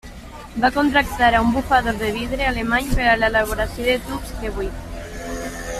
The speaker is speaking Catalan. Va contractar a un bufador de vidre alemany per a l'elaboració de tubs de buit.